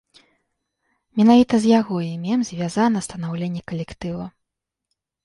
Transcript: Менавіта з яго імем звязана станаўленне калектыву.